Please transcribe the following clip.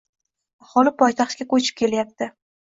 aholi poytaxtga ko‘chib ketyapti